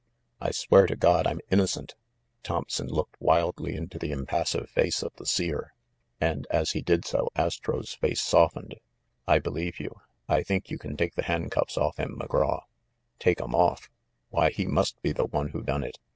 "I swear to God I'm innocent !" Thompson looked wildly into the impassive face of the Seer. And, as he did so, Astro's face softened. "I believe you. I think you can take the handcuffs off him, Mc Graw." "Take 'em off ! Why, he must be the one who done it